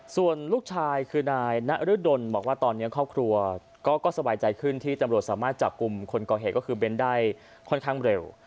ส่วนลูกชายคือนายนรดลบอกว่าตอนนี้ครอบครัวก็สบายใจขึ้นที่ตำรวจสามารถจับกลุ่มคนก่อเหตุก็คือเบ้นได้ค่อนข้างเร็ว